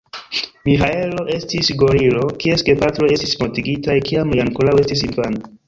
Miĥaelo estis gorilo, kies gepatroj estis mortigitaj, kiam li ankoraŭ estis infano.